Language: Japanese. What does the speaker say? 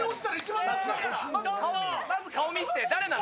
まず、顔見せて、誰なの？